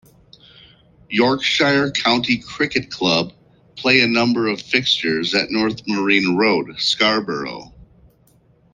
Yorkshire County Cricket Club, play a number of fixtures at North Marine Road, Scarborough.